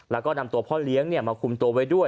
แล้วก็นำตัวพ่อเลี้ยงมาคุมตัวไว้ด้วย